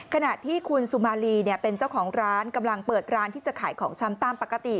ขณะที่คุณสุมาลีเป็นเจ้าของร้านกำลังเปิดร้านที่จะขายของชำตามปกติ